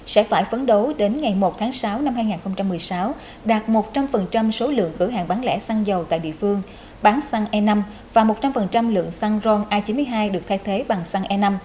sẽ phải phấn đấu đến ngày một tháng sáu năm hai nghìn một mươi sáu đạt một trăm linh số lượng cửa hàng bán lẻ xăng dầu tại địa phương bán xăng e năm và một trăm linh lượng xăng ron a chín mươi hai được thay thế bằng xăng e năm